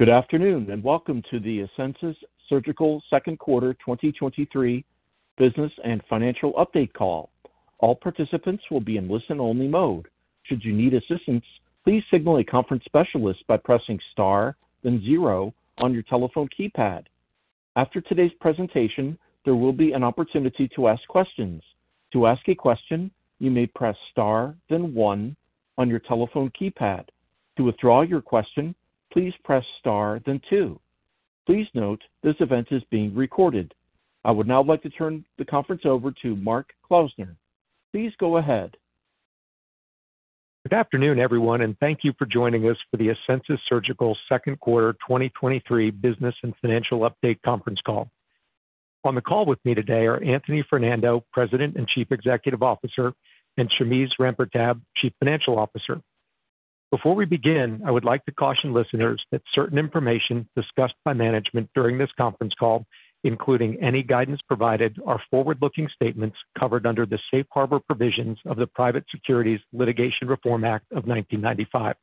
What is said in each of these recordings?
Good afternoon, and welcome to the Asensus Surgical Second Quarter 2023 Business and Financial Update Call. All participants will be in listen-only mode. Should you need assistance, please signal a conference specialist by pressing Star, then 0 on your telephone keypad. After today's presentation, there will be an opportunity to ask questions. To ask a question, you may press Star then 1 on your telephone keypad. To withdraw your question, please press Star then 2. Please note, this event is being recorded. I would now like to turn the conference over to Mark Klausner. Please go ahead. Good afternoon, everyone, thank you for joining us for the Asensus Surgical second quarter 2023 business and financial update conference call. On the call with me today are Anthony Fernando, President and Chief Executive Officer, and Shameze Rampertab, Chief Financial Officer. Before we begin, I would like to caution listeners that certain information discussed by management during this conference call, including any guidance provided, are forward-looking statements covered under the Safe Harbor provisions of the Private Securities Litigation Reform Act of 1995.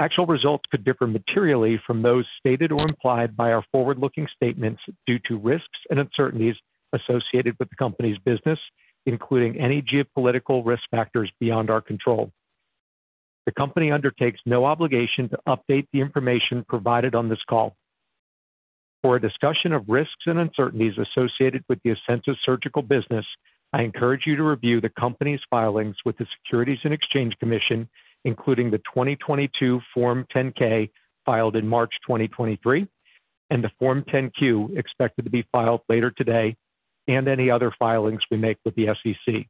Actual results could differ materially from those stated or implied by our forward-looking statements due to risks and uncertainties associated with the company's business, including any geopolitical risk factors beyond our control. The company undertakes no obligation to update the information provided on this call. For a discussion of risks and uncertainties associated with the Asensus Surgical business, I encourage you to review the company's filings with the Securities and Exchange Commission, including the 2022 Form 10-K filed in March 2023, and the Form 10-Q expected to be filed later today, and any other filings we make with the SEC.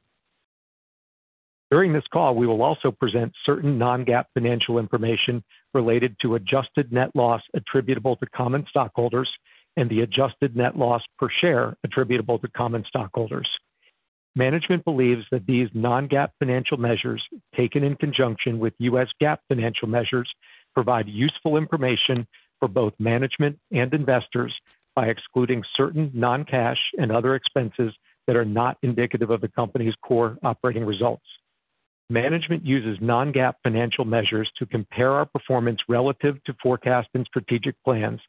During this call, we will also present certain non-GAAP financial information related to adjusted net loss attributable to common stockholders and the adjusted net loss per share attributable to common stockholders. Management believes that these non-GAAP financial measures, taken in conjunction with U.S. GAAP financial measures, provide useful information for both management and investors by excluding certain non-cash and other expenses that are not indicative of the company's core operating results. Management uses non-GAAP financial measures to compare our performance relative to forecast and strategic plans,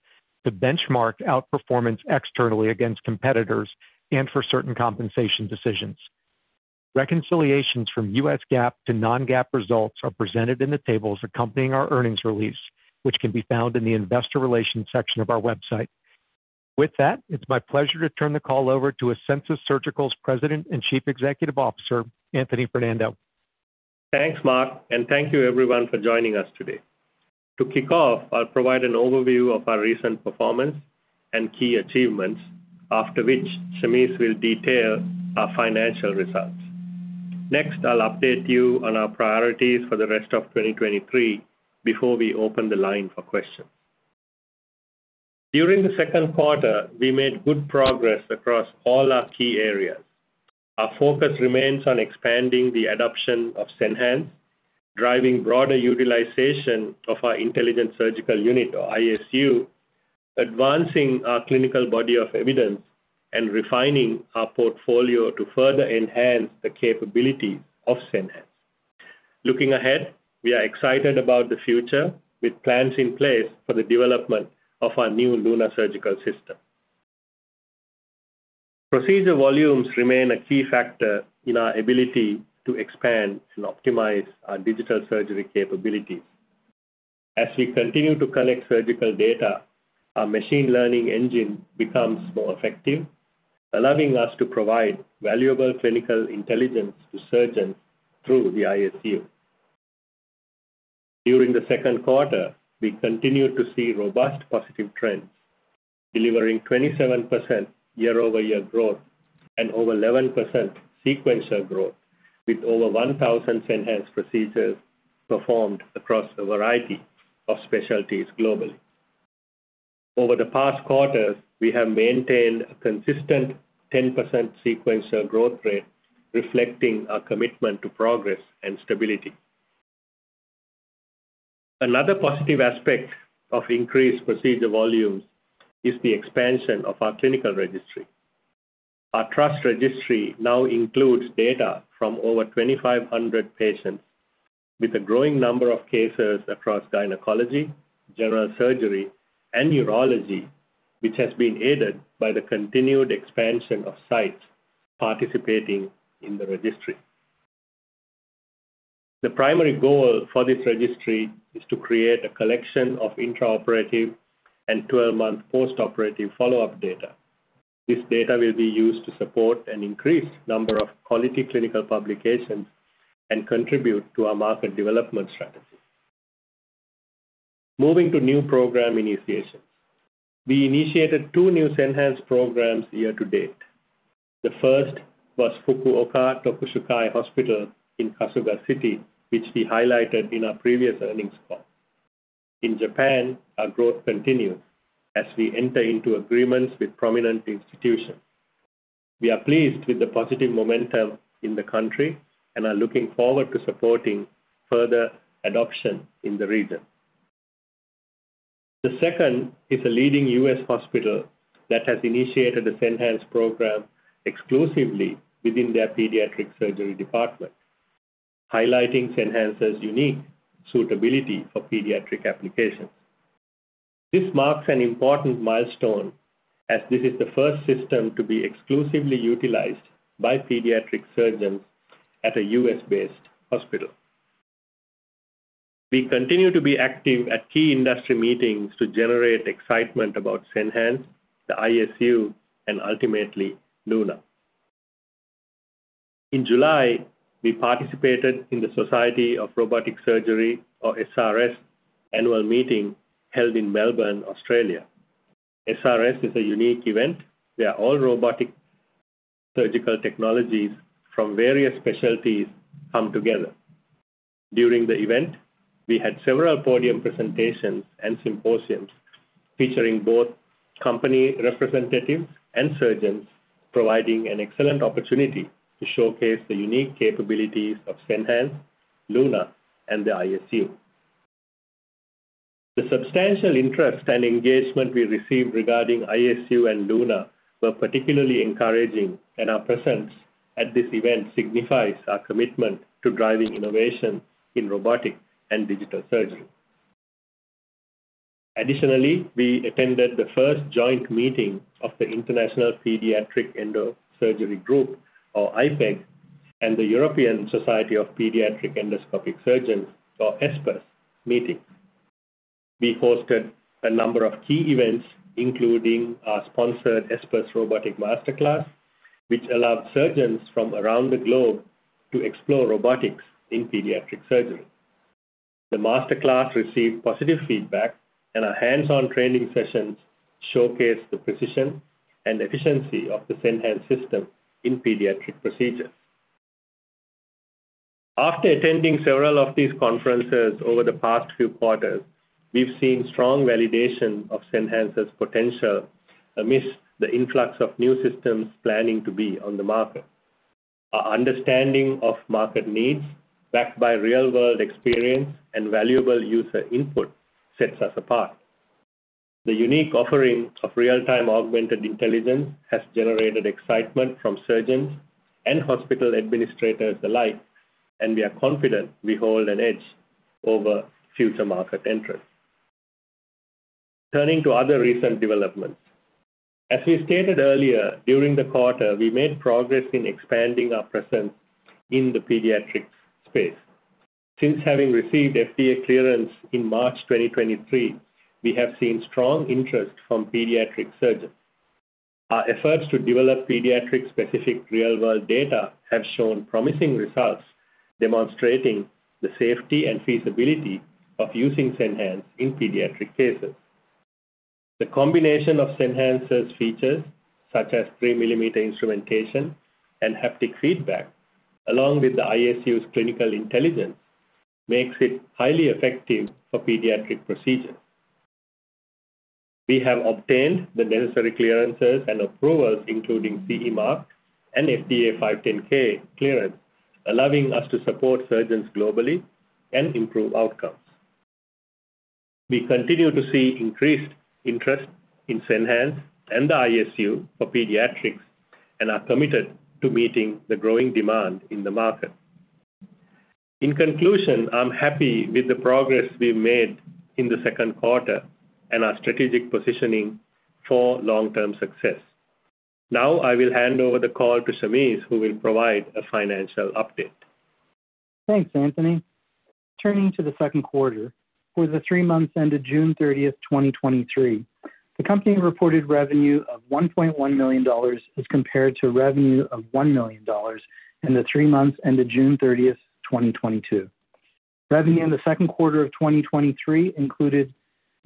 to benchmark outperformance externally against competitors, and for certain compensation decisions. Reconciliations from US GAAP to non-GAAP results are presented in the tables accompanying our earnings release, which can be found in the investor relations section of our website. With that, it's my pleasure to turn the call over to Asensus Surgical's President and Chief Executive Officer, Anthony Fernando. Thanks, Mark. Thank you everyone for joining us today. To kick off, I'll provide an overview of our recent performance and key achievements, after which Shameze will detail our financial results. Next, I'll update you on our priorities for the rest of 2023 before we open the line for questions. During the second quarter, we made good progress across all our key areas. Our focus remains on expanding the adoption of Senhance, driving broader utilization of our Intelligent Surgical Unit, or ISU, advancing our clinical body of evidence, and refining our portfolio to further enhance the capabilities of Senhance. Looking ahead, we are excited about the future, with plans in place for the development of our new LUNA Surgical System. Procedure volumes remain a key factor in our ability to expand and optimize our digital surgery capabilities. As we continue to collect surgical data, our machine learning engine becomes more effective, allowing us to provide valuable clinical intelligence to surgeons through the ISU. During the second quarter, we continued to see robust positive trends, delivering 27% year-over-year growth and over 11% sequential growth, with over 1,000 Senhance procedures performed across a variety of specialties globally. Over the past quarters, we have maintained a consistent 10% sequential growth rate, reflecting our commitment to progress and stability. Another positive aspect of increased procedure volumes is the expansion of our clinical registry. Our TRUST registry now includes data from over 2,500 patients, with a growing number of cases across gynecology, general surgery, and urology, which has been aided by the continued expansion of sites participating in the registry. The primary goal for this registry is to create a collection of intraoperative and 12-month postoperative follow-up data. This data will be used to support an increased number of quality clinical publications and contribute to our market development strategy. Moving to new program initiation. We initiated 2 new Senhance programs year to date. The first was Fukuoka Tokushukai Hospital in Kasuga City, which we highlighted in our previous earnings call. In Japan, our growth continues as we enter into agreements with prominent institutions. We are pleased with the positive momentum in the country and are looking forward to supporting further adoption in the region. The second is a leading U.S. hospital that has initiated a Senhance program exclusively within their pediatric surgery department, highlighting Senhance's unique suitability for pediatric applications. This marks an important milestone, as this is the first system to be exclusively utilized by pediatric surgeons at a U.S.-based hospital. We continue to be active at key industry meetings to generate excitement about Senhance, the ISU, and ultimately, LUNA. In July, we participated in the Society of Robotic Surgery, or SRS, annual meeting held in Melbourne, Australia. SRS is a unique event where all robotic surgical technologies from various specialties come together. During the event, we had several podium presentations and symposiums featuring both company representatives and surgeons, providing an excellent opportunity to showcase the unique capabilities of Senhance, LUNA, and the ISU. The substantial interest and engagement we received regarding ISU and LUNA were particularly encouraging, and our presence at this event signifies our commitment to driving innovation in robotic and digital surgery. Additionally, we attended the first joint meeting of the International Pediatric Endosurgery Group, or IPEG, and the European Society of Paediatric Endoscopic Surgeons, or ESPES, meeting. We hosted a number of key events, including our sponsored ESPES Robotic Master Class, which allowed surgeons from around the globe to explore robotics in pediatric surgery. The master class received positive feedback, and our hands-on training sessions showcased the precision and efficiency of the Senhance system in pediatric procedures. After attending several of these conferences over the past few quarters, we've seen strong validation of Senhance's potential amidst the influx of new systems planning to be on the market. Our understanding of market needs, backed by real-world experience and valuable user input, sets us apart. The unique offering of real-time augmented intelligence has generated excitement from surgeons and hospital administrators alike, and we are confident we hold an edge over future market entrants. Turning to other recent developments. As we stated earlier, during the quarter, we made progress in expanding our presence in the pediatrics space. Since having received FDA Clearance in March 2023, we have seen strong interest from pediatric surgeons. Our efforts to develop pediatric-specific real-world data have shown promising results, demonstrating the safety and feasibility of using Senhance in pediatric cases. The combination of Senhance's features, such as 3 mm instrumentation and haptic feedback, along with the ISU's clinical intelligence, makes it highly effective for pediatric procedures. We have obtained the necessary clearances and approvals, including CE mark and FDA 510(k) clearance, allowing us to support surgeons globally and improve outcomes. We continue to see increased interest in Senhance and the ISU for pediatrics and are committed to meeting the growing demand in the market. In conclusion, I'm happy with the progress we've made in the second quarter and our strategic positioning for long-term success. Now I will hand over the call to Shameze, who will provide a financial update. Thanks, Anthony. Turning to the second quarter. For the 3 months ended June 30th, 2023, the company reported revenue of $1.1 million as compared to revenue of $1 million in the 3 months ended June 30th, 2022. Revenue in the second quarter of 2023 included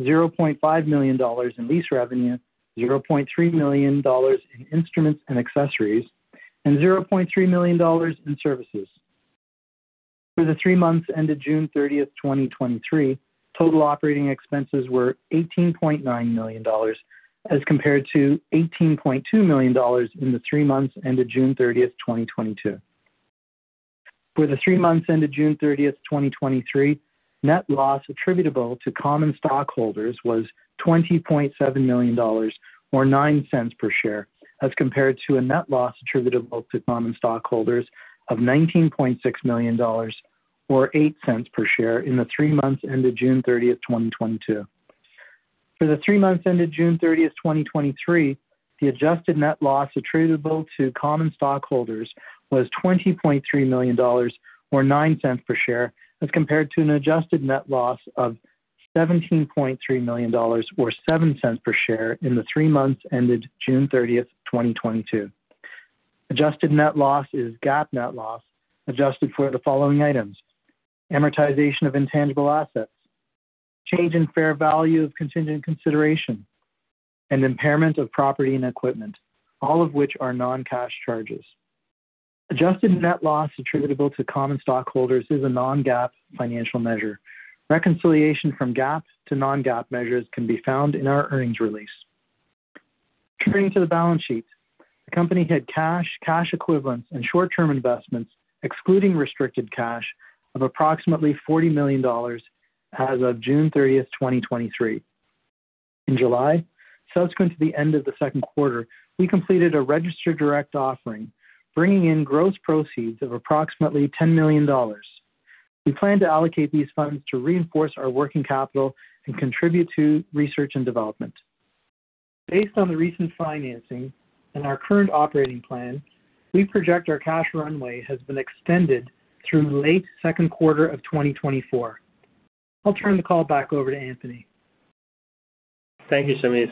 $0.5 million in lease revenue, $0.3 million in instruments and accessories, and $0.3 million in services. For the 3 months ended June 30th, 2023, total operating expenses were $18.9 million, as compared to $18.2 million in the 3 months ended June 30th, 2022. For the 3 months ended June 30th, 2023, net loss attributable to common stockholders was $20.7 million, or $0.09 per share, as compared to a net loss attributable to common stockholders of $19.6 million, or $0.08 per share, in the 3 months ended June 30th, 2022. For the 3 months ended June30th, 2023, the adjusted net loss attributable to common stockholders was $20.3 million, or $0.09 per share, as compared to an adjusted net loss of $17.3 million, or $0.07 per share, in the 3 months ended June 30th, 2022. Adjusted net loss is GAAP net loss, adjusted for the following items: amortization of intangible assets, change in fair value of contingent consideration, and impairment of property and equipment, all of which are non-cash charges. Adjusted net loss attributable to common stockholders is a non-GAAP financial measure. Reconciliation from GAAP to non-GAAP measures can be found in our earnings release. Turning to the balance sheet. The company had cash, cash equivalents, and short-term investments, excluding restricted cash, of approximately $40 million as of June 30, 2023. In July, subsequent to the end of the second quarter, we completed a registered direct offering, bringing in gross proceeds of approximately $10 million. We plan to allocate these funds to reinforce our working capital and contribute to research and development. Based on the recent financing and our current operating plan, we project our cash runway has been extended through late second quarter of 2024. I'll turn the call back over to Anthony. Thank you, Shameze.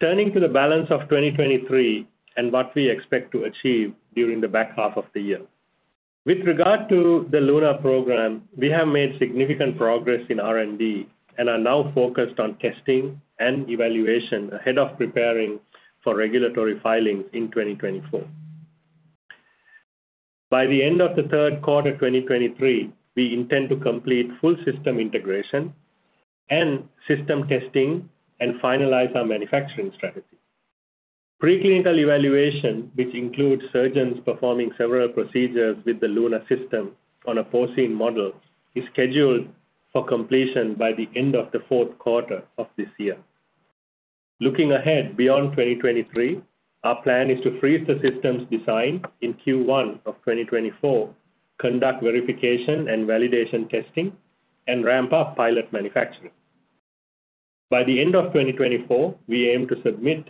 Turning to the balance of 2023 and what we expect to achieve during the back half of the year. With regard to the LUNA program, we have made significant progress in R&D and are now focused on testing and evaluation ahead of preparing for regulatory filings in 2024. By the end of the third quarter 2023, we intend to complete full system integration and system testing and finalize our manufacturing strategy. Preclinical evaluation, which includes surgeons performing several procedures with the LUNA system on a porcine model, is scheduled for completion by the end of the fourth quarter of this year. Looking ahead beyond 2023, our plan is to freeze the system's design in Q1 of 2024, conduct verification and validation testing, and ramp up pilot manufacturing. By the end of 2024, we aim to submit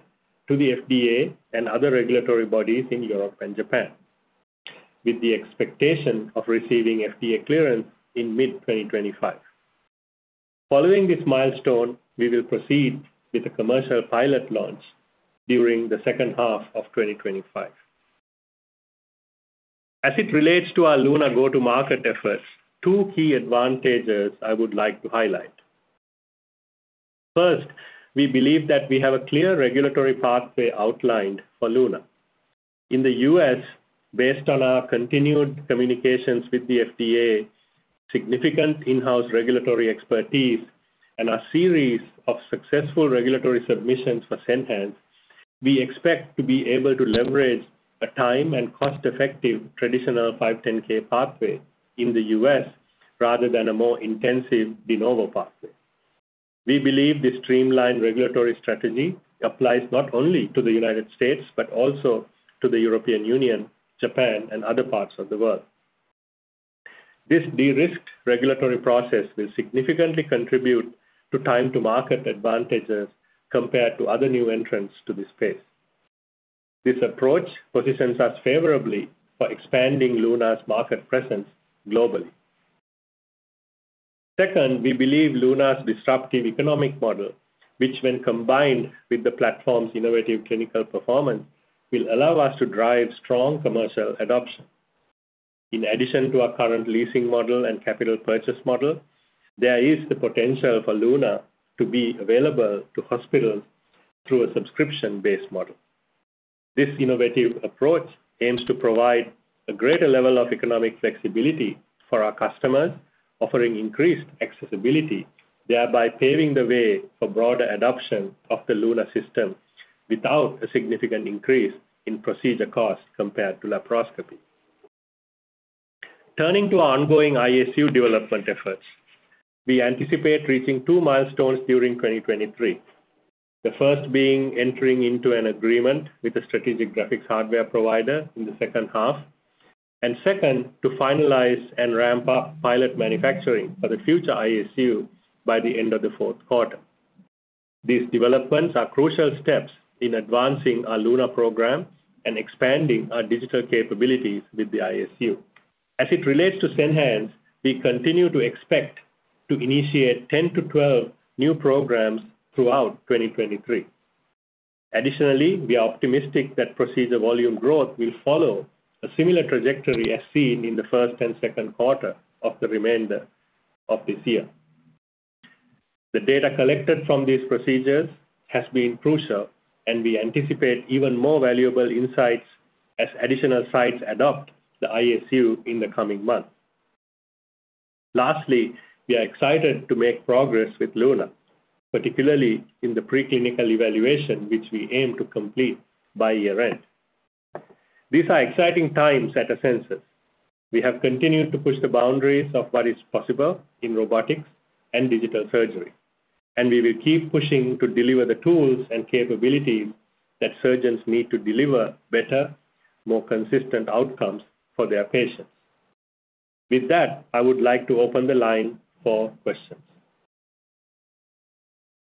to the FDA and other regulatory bodies in Europe and Japan, with the expectation of receiving FDA clearance in mid-2025. Following this milestone, we will proceed with the commercial pilot launch during the second half of 2025. As it relates to our LUNA go-to-market efforts, two key advantages I would like to highlight. First, we believe that we have a clear regulatory pathway outlined for LUNA. In the U.S., based on our continued communications with the FDA, significant in-house regulatory expertise, and our series of successful regulatory submissions for Senhance, we expect to be able to leverage a time and cost-effective traditional 510(k) pathway in the U.S., rather than a more intensive De Novo pathway. We believe this streamlined regulatory strategy applies not only to the United States, but also to the European Union, Japan, and other parts of the world. This de-risked regulatory process will significantly contribute to time to market advantages compared to other new entrants to this space. This approach positions us favorably for expanding LUNA's market presence globally. Second, we believe LUNA's disruptive economic model, which when combined with the platform's innovative clinical performance, will allow us to drive strong commercial adoption. In addition to our current leasing model and capital purchase model, there is the potential for LUNA to be available to hospitals through a subscription-based model. This innovative approach aims to provide a greater level of economic flexibility for our customers, offering increased accessibility, thereby paving the way for broader adoption of the LUNA system without a significant increase in procedure costs compared to laparoscopy. Turning to our ongoing ISU development efforts, we anticipate reaching two milestones during 2023. The first being entering into an agreement with a strategic graphics hardware provider in the second half, and second, to finalize and ramp up pilot manufacturing for the future ISU by the end of the fourth quarter. These developments are crucial steps in advancing our LUNA program and expanding our digital capabilities with the ISU. As it relates to Senhance, we continue to expect to initiate 10-12 new programs throughout 2023. Additionally, we are optimistic that procedure volume growth will follow a similar trajectory as seen in the first and second quarter of the remainder of this year. The data collected from these procedures has been crucial, and we anticipate even more valuable insights as additional sites adopt the ISU in the coming months. Lastly, we are excited to make progress with LUNA, particularly in the preclinical evaluation, which we aim to complete by year-end. These are exciting times at Asensus. We have continued to push the boundaries of what is possible in robotics and digital surgery, and we will keep pushing to deliver the tools and capabilities that surgeons need to deliver better, more consistent outcomes for their patients. With that, I would like to open the line for questions.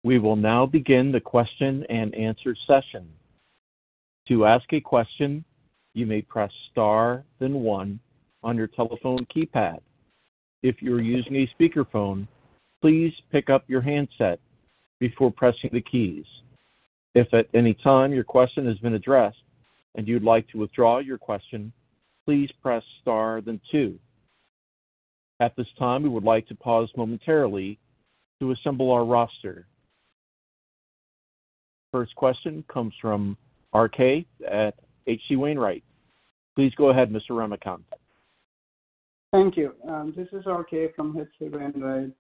We will now begin the question and answer session. To ask a question, you may press star, then one on your telephone keypad. If you are using a speakerphone, please pick up your handset before pressing the keys. If at any time your question has been addressed and you'd like to withdraw your question, please press star, then two. At this time, we would like to pause momentarily to assemble our roster. First question comes from RK at H.C. Wainwright. Please go ahead, Mr. Ramakanth. Thank you. This is RK from H.C. Wainwright.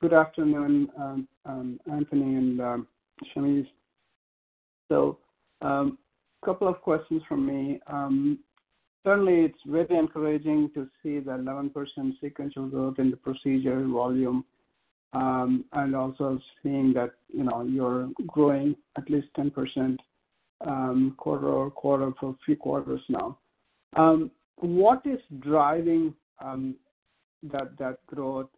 Good afternoon, Anthony and Shameze. Couple of questions from me. Certainly, it's very encouraging to see the 11% sequential growth in the procedure volume, and also seeing that, you know, you're growing at least 10% quarter-over-quarter for 3 quarters now. What is driving that, that growth?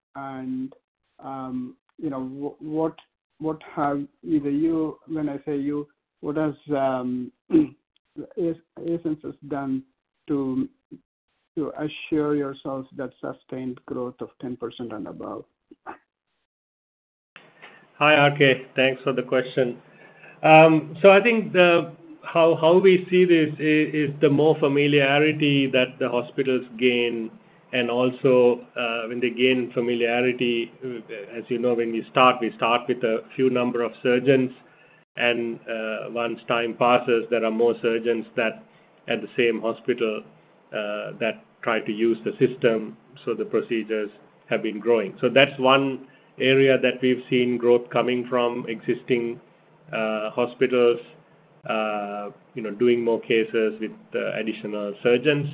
You know, what, what have either you-- When I say you, what has Asensus done to, to assure yourselves that sustained growth of 10% and above? Hi, RK. Thanks for the question. I think the, how, how we see this is the more familiarity that the hospitals gain and also, when they gain familiarity, as you know, when we start, we start with a few number of surgeons, and once time passes, there are more surgeons that at the same hospital, that try to use the system, so the procedures have been growing. That's one area that we've seen growth coming from existing hospitals, you know, doing more cases with additional surgeons.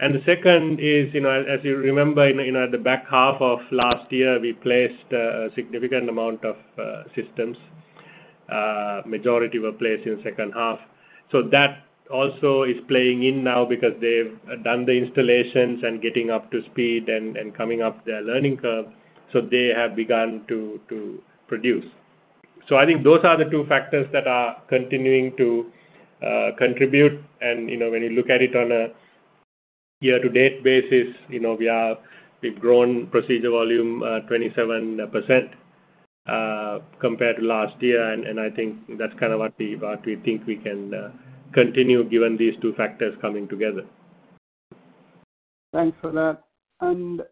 The second is, you know, as, as you remember, in, in the back half of last year, we placed a significant amount of systems. Majority were placed in the second half. That also is playing in now because they've done the installations and getting up to speed and coming up their learning curve, so they have begun to produce. I think those are the two factors that are continuing to contribute, and, you know, when you look at it on a year-to-date basis, you know, we've grown procedure volume, 27%, compared to last year. I think that's kind of what we, what we think we can continue, given these two factors coming together. Thanks for that.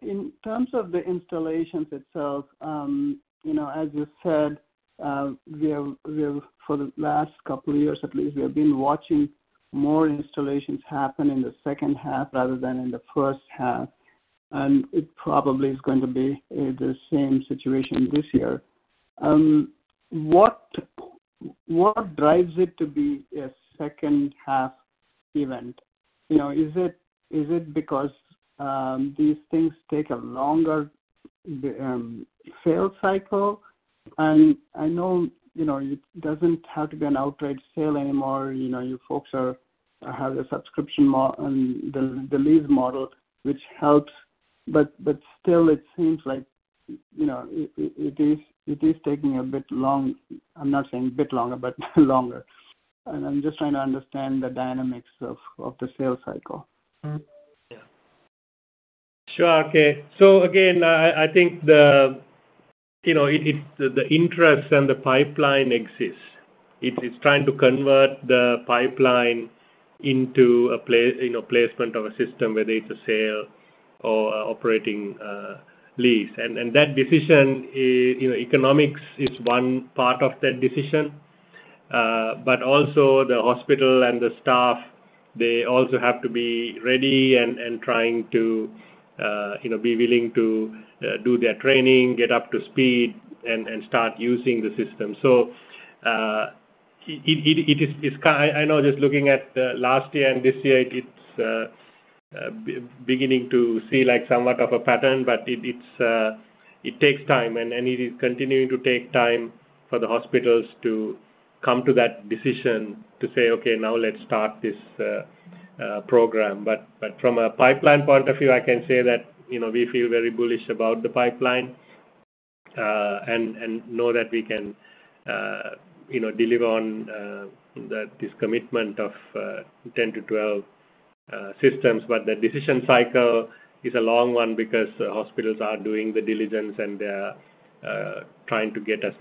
In terms of the installations itself, you know, as you said, we have, we have for the last couple of years at least, we have been watching more installations happen in the second half rather than in the first half, and it probably is going to be the same situation this year. What, what drives it to be a second half event? You know, is it, is it because these things take a longer sale cycle? I know, you know, it doesn't have to be an outright sale anymore, you know, you folks are, have a subscription, the lease model, which helps, but, but still, it seems like, you know, it, it, it is, it is taking a bit long. I'm not saying a bit longer, but longer. I'm just trying to understand the dynamics of the sales cycle. Yeah. Sure, RK. Again, I, I think the, you know, the interest and the pipeline exists. It is trying to convert the pipeline into a, you know, placement of a system, whether it's a sale or operating lease. And that decision is, you know, economics is one part of that decision, but also the hospital and the staff, they also have to be ready and, and trying to, you know, be willing to do their training, get up to speed, and, and start using the system. It is, I know just looking at last year and this year, it's beginning to see like somewhat of a pattern, but it takes time, and it is continuing to take time for the hospitals to come to that decision to say, "Okay, now let's start this program." From a pipeline point of view, I can say that, you know, we feel very bullish about the pipeline, and know that we can, you know, deliver on this commitment of 10 to 12 systems. The decision cycle is a long one because the hospitals are doing the diligence, and they are trying to get as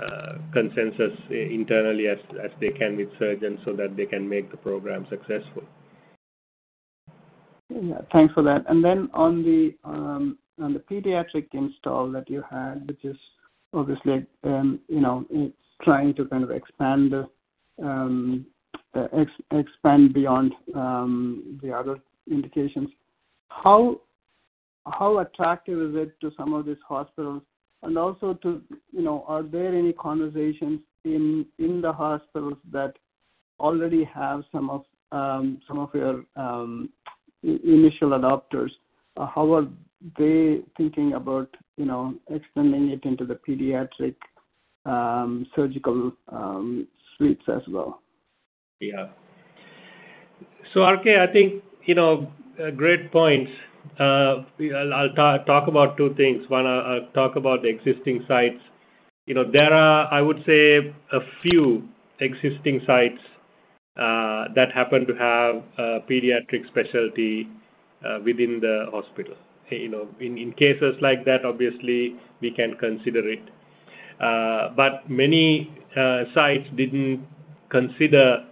much consensus internally as they can with surgeons so that they can make the program successful. Yeah. Thanks for that. On the pediatric install that you had, which is obviously, you know, it's trying to kind of expand beyond the other indications. How attractive is it to some of these hospitals? Also, you know, are there any conversations in the hospitals that already have some of your initial adopters, how are they thinking about, you know, extending it into the pediatric surgical suites as well? Yeah. RK, I think, you know, great points. I'll, talk about two things. One, I'll, talk about the existing sites. You know, there are, I would say, a few existing sites, that happen to have a pediatric specialty, within the hospital. You know, in, in cases like that, obviously, we can consider it. Many sites didn't consider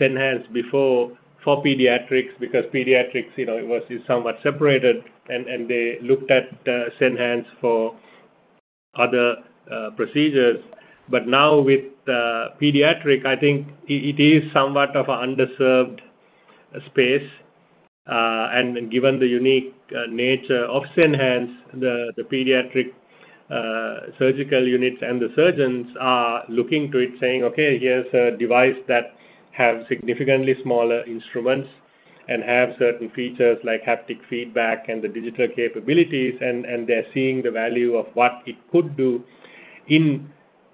Senhance before for pediatrics, because pediatrics, you know, it was somewhat separated, and they looked at Senhance for other procedures. Now with pediatric, I think it, it is somewhat of an underserved space Given the unique nature of Senhance, the pediatric surgical units and the surgeons are looking to it, saying: "Okay, here's a device that have significantly smaller instruments and have certain features like haptic feedback and the digital capabilities." They're seeing the value of what it could do in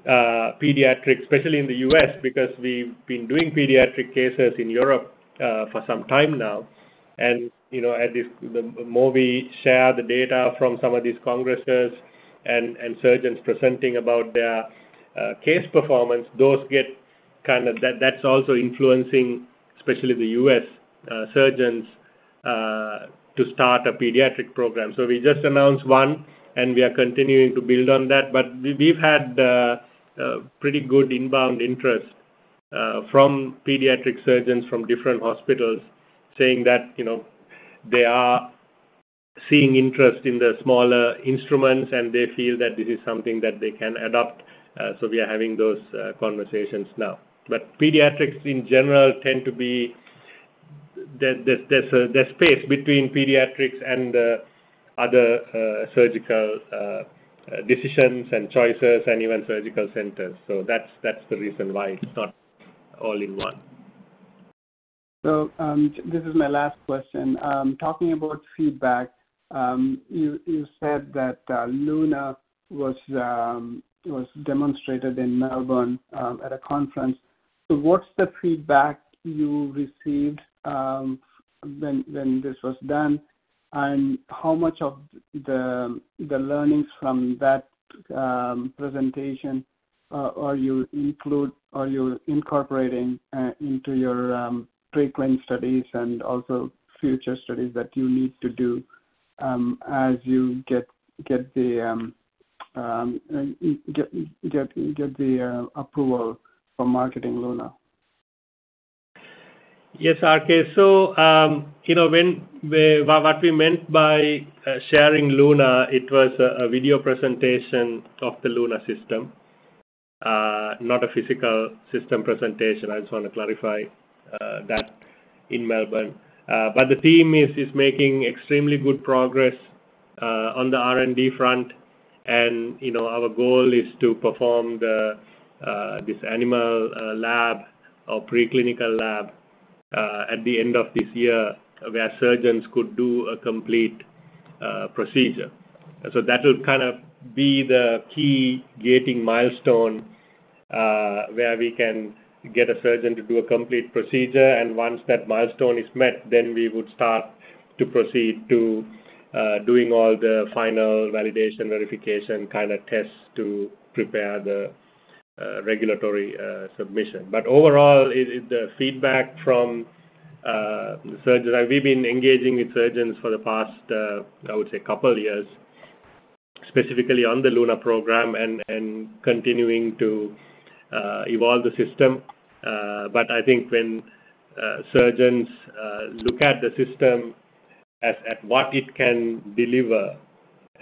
pediatrics, especially in the U.S., because we've been doing pediatric cases in Europe for some time now. You know, as if the more we share the data from some of these congresses and surgeons presenting about their case performance, those get. That's also influencing, especially the U.S. surgeons to start a pediatric program. We just announced one, and we are continuing to build on that. We've had pretty good inbound interest from pediatric surgeons from different hospitals, saying that, you know, they are seeing interest in the smaller instruments, and they feel that this is something that they can adopt. We are having those conversations now. Pediatrics in general tend to be. There's a space between pediatrics and the other surgical decisions and choices and even surgical centers, so that's, that's the reason why it's not all in one. This is my last question. Talking about feedback, you, you said that LUNA was demonstrated in Melbourne at a conference. What's the feedback you received when, when this was done? How much of the, the learnings from that presentation are you include, are you incorporating into your preclinical studies and also future studies that you need to do as you get the approval for marketing LUNA? Yes, RK. you know, when we... what we meant by sharing LUNA, it was a video presentation of the LUNA system, not a physical system presentation. I just want to clarify that in Melbourne. The team is making extremely good progress on the R&D front. you know, our goal is to perform this animal lab or preclinical lab at the end of this year, where surgeons could do a complete procedure. That will kind of be the key gating milestone where we can get a surgeon to do a complete procedure. Once that milestone is met, then we would start to proceed to doing all the final validation, verification kind of tests to prepare the regulatory submission. Overall, it, the feedback from the surgeons, and we've been engaging with surgeons for the past, I would say 2 years, specifically on the LUNA program and, and continuing to evolve the system. I think when surgeons look at the system as at what it can deliver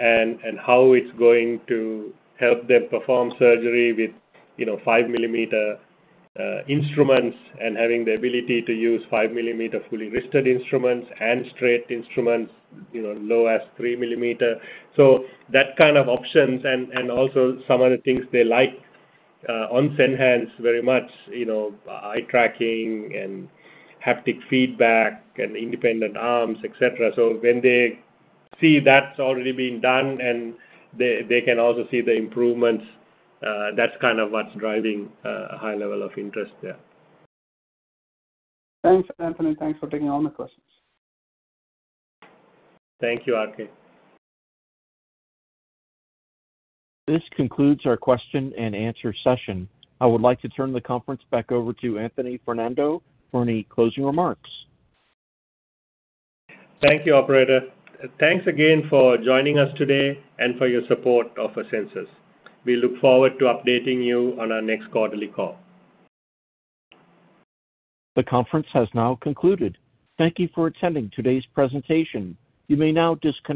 and, and how it's going to help them perform surgery with, you know, 5 mm instruments, and having the ability to use 5 mm fully wristed instruments and straight instruments, you know, low as 3 mm. That kind of options and, and also some of the things they like on Senhance very much, you know, eye tracking and haptic feedback and independent arms, et cetera. When they see that's already being done, and they, they can also see the improvements, that's kind of what's driving a, a high level of interest there. Thanks, Anthony. Thanks for taking all my questions. Thank you, RK. This concludes our question and answer session. I would like to turn the conference back over to Anthony Fernando for any closing remarks. Thank you, operator. Thanks again for joining us today and for your support of Asensus Surgical. We look forward to updating you on our next quarterly call. The conference has now concluded. Thank you for attending today's presentation. You may now disconnect.